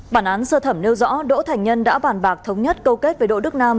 bản án sơ thẩm nêu rõ đỗ thành nhân đã bàn bạc thống nhất câu kết với đỗ đức nam